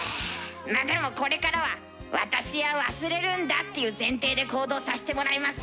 まあでもこれからは私は忘れるんだっていう前提で行動させてもらいます。